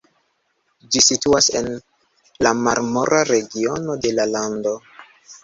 Ĝi situas en la Marmora regiono de la lando.